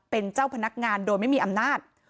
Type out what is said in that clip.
เป็นเจ้าพนักงานโดยไม่มีอำนาจ